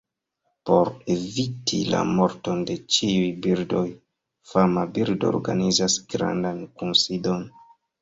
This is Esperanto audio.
Por eviti la morton de ĉiuj birdoj, fama birdo organizas grandan kunsidon.